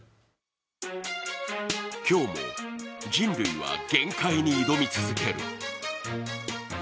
今日も人類は限界に挑み続ける。